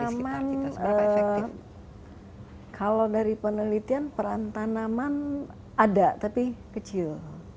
tanaman kalau dari penelitian peran tanaman ada tapi kecil